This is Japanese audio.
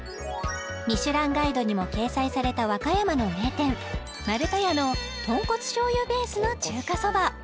ミシュランガイドにも掲載された和歌山の名店丸田屋の豚骨しょうゆベースの中華そば